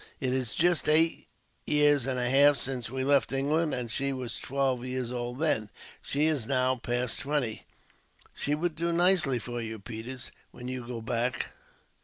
It is just eight years and a half since we left England, and she was twelve years old then. She is now past twenty. "She would do nicely for you, Peters, when you go back.